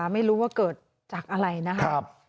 ไม่รู้ว่าเกิดจากอะไรนะครับ